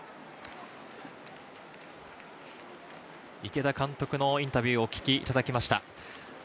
池田監督のインタビューをお聞きいただきました。